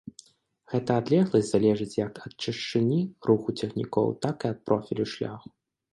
Гэта адлегласць залежыць як ад чашчыні руху цягнікоў, так і ад профілю шляху.